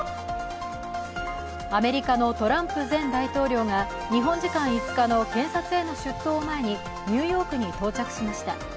アメリカのトランプ前大統領が日本時間５日の検察への出頭を前にニューヨークに到着しました。